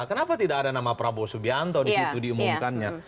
kenapa tidak ada nama prabowo subianto disitu diumumkannya